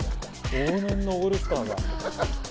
往年のオールスターだ。